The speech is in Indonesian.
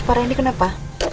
pak rendy kenapa